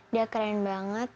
dia keren banget